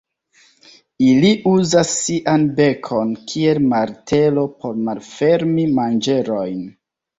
Ili uzas sian bekon kiel martelo por malfermi manĝerojn.